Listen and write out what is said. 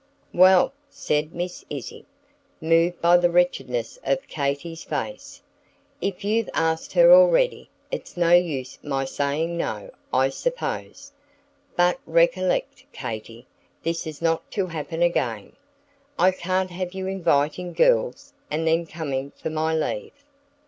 "Well," said Miss Izzie, moved by the wretchedness of Katy's face, "if you've asked her already, it's no use my saying no, I suppose. But recollect, Katy, this is not to happen again. I can't have you inviting girls, and then coming for my leave.